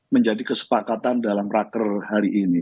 menjadi kesepakatan dalam raker hari ini